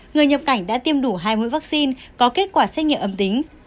người nhập cảnh đã tiêm đủ hai mũi vaccine có kết quả xét nghiệm âm tính